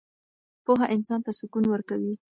پوهه انسان ته سکون ورکوي.